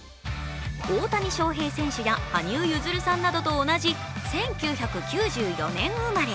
大谷翔平選手や羽生結弦さんと同じ、１９９４年生まれ。